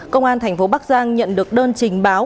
công an tp bắc giang nhận được đơn trình báo